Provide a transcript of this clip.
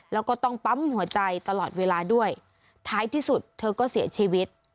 แล้วก็ต้องปั๊มหัวใจตลอดเวลาด้วยท้ายที่สุดเธอก็เสียชีวิต